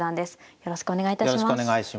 よろしくお願いします。